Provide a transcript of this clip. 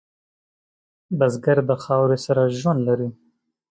بزګر د خاورې سره ژوند لري